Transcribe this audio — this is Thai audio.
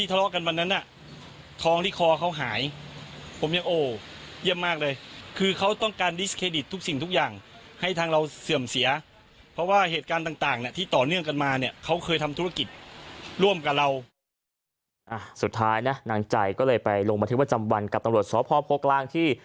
สุดท้ายนะนางใจก็เลยไปลงบันทึกประจำวันกับตำรวจสพโพกลางที่